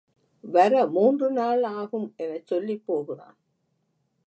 வர மூன்று நாள் ஆகும் எனச் சொல்லிப் போகிறான்.